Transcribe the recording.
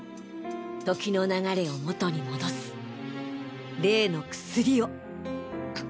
時の流れを元に戻す例の薬を。